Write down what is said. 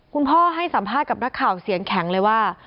คุณพ่อให้สัมภาษณ์กับนักข่าวเสียงแข็งเลยว่า